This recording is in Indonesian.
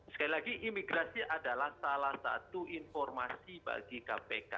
sekali lagi imigrasi adalah salah satu informasi bagi kpk